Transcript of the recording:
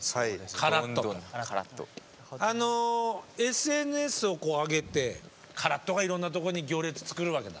ＳＮＳをこうあげてカラットがいろんなところに行列作るわけだ。